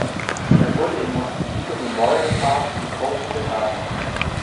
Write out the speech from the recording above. Er wurde im Montecito Memorial Park in Colton begraben.